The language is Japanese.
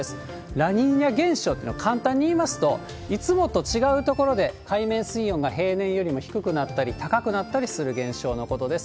ラニーニャ現象というのは、簡単にいいますと、いつもと違う所で海面水温が平年よりも低くなったり高くなったりする現象のことです。